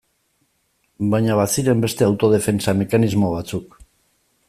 Baina baziren beste autodefentsa mekanismo batzuk.